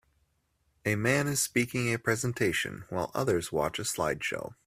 A man is speaking a presentation while others watch a slide show